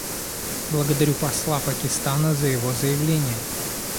Благодарю посла Пакистана за его заявление.